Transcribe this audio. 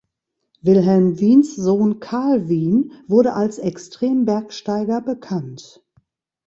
Wilhelm Wiens Sohn Karl Wien wurde als Extrembergsteiger bekannt.